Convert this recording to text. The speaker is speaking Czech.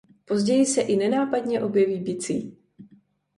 Později se i nenápadně objeví bicí.